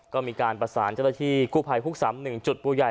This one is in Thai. ก็มีการประสานเจ้าหน้าที่กู้ภัยภูกษำหนึ่งจุดบุใหญ่